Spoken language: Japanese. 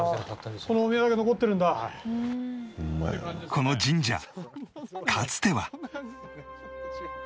この神社かつては